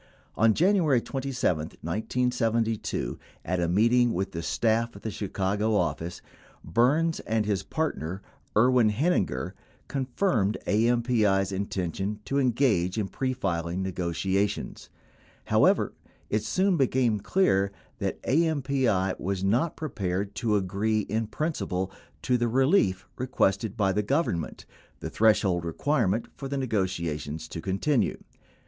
12 On January 27, 1972, at a meeting with the staff of the Chicago office, Burns and his partner Erwin Heininger confirmed AMPI's intention to engage in prefiling negotiations. However, it soon became clear that AMPI was not prepared to agree in principle to the relief requested by the Government — the threshold requirement for the nego tiations to continue.